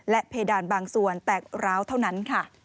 เพดานบางส่วนแตกร้าวเท่านั้นค่ะ